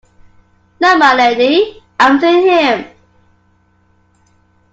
No, my Lady, I've seen him!